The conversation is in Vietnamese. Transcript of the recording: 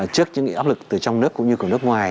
trước những áp lực từ trong nước cũng như của nước ngoài